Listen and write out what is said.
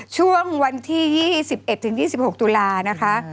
ช่วงวันที่๒๑๒๖ตุลานะคะ